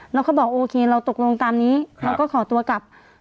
เขาบอกโอเคเราตกลงตามนี้เราก็ขอตัวกลับ